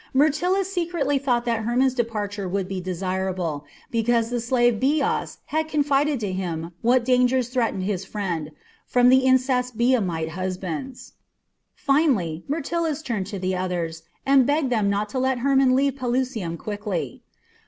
Myrtilus secretly thought that Hermon's departure would be desirable, because the slave Bias had confided to him what dangers threatened his friend from the incensed Biamite husbands. Finally, Myrtilus turned to the others and begged them not to let Hermon leave Pelusium quickly.